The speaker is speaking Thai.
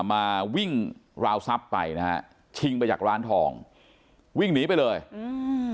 มาวิ่งราวทรัพย์ไปนะฮะชิงไปจากร้านทองวิ่งหนีไปเลยอืม